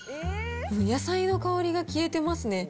野菜の香りが消えてますね。